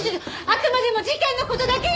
あくまでも事件の事だけよ！